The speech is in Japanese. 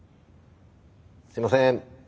すいません。